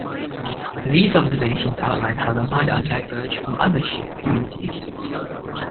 These observations outline how the Madan diverge from other Shia communities.